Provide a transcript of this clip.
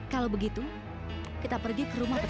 kalau begitu kita pergi ke rumah tetangga